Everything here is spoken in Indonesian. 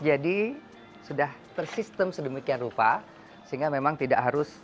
jadi sudah tersistem sedemikian rupa sehingga memang tidak harus